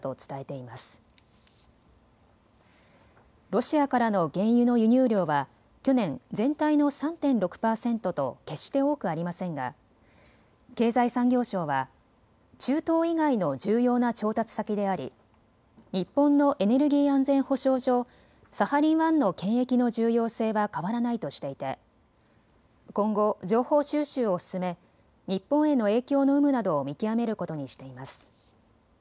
ロシアからの原油の輸入量は去年、全体の３．６％と決して多くありませんが経済産業省は中東以外の重要な調達先であり日本のエネルギー安全保障上、サハリン１の権益の重要性は変わらないとしていて今後、情報収集を進め日本への影響の有無などを見極めることにしています。